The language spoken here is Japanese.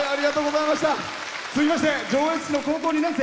続きまして上越市の高校２年生。